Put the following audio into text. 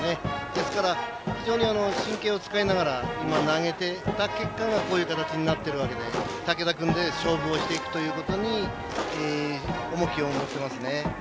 ですから非常に神経を使いながら今、投げていった結果がこういう形になっているわけで武田君で勝負をしていくということに重きを置いてますね。